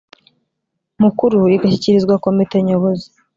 Mukuru igashyikirizwa komite Nyobozi ;